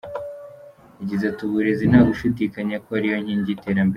Yagize ati “Uburezi nta gushidikanya ko ari yo nkingi y’iterambere.